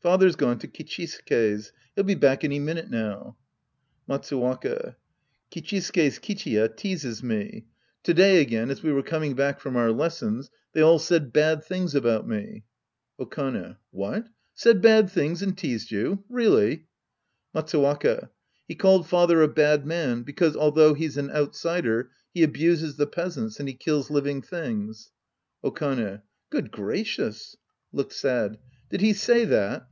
Father's gone to Kichisuke's. He'll be back any minute now. Matsuwaka. ICichisuke's Kichiya teases me. To 14 The Priest and His Disciples Act I day again, as we were coming back from our lessons, they all said bad things about me. Okane. What ? Said bad things and teased you ? Really? Matsttwaka. He called father a bad man because, although he's an pytsider, he abuses the peasants, and he kills living things. Okane. Good gracious! {Looks sad.) Did he say that